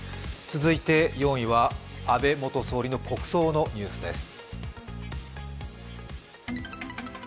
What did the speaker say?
続いて４位は安倍元総理の国葬のニュースです。